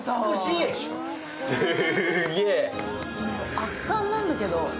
圧巻なんだけど。